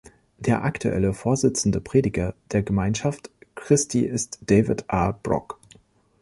Der aktuelle „vorsitzende Prediger“ der Gemeinschaft Christi ist David R. Brock.